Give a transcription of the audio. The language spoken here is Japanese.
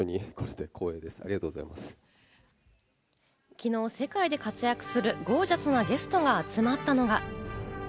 昨日、世界で活躍するゴージャスなゲストが集まったのが。